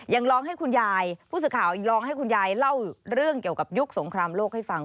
ยังร้องให้คุณยายผู้สื่อข่าวลองให้คุณยายเล่าเรื่องเกี่ยวกับยุคสงครามโลกให้ฟัง